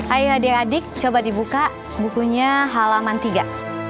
ayo adik adik coba buka bukunya halaman tiga